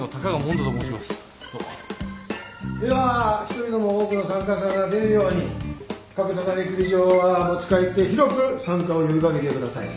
一人でも多くの参加者が出るように各隣組長は持ち帰って広く参加を呼び掛けてください。